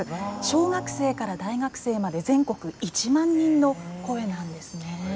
小学生から大学生まで全国１万人の声なんですね。